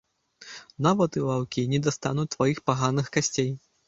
Нават і ваўкі не дастануць тваіх паганых касцей.